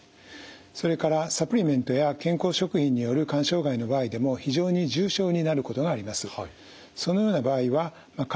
それからサプリメントや健康食品による肝障害の場合でも非常に重症になることがあります。